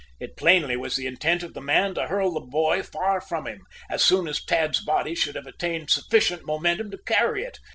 It plainly was the intent of the man to hurl the boy far from him, as soon as Tad's body should have attained sufficient momentum to carry it.